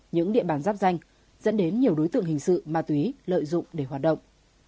những địa bàn giáp danh dẫn đến nhiều đối tượng hình sự ma túy lợi dụng để hoạt động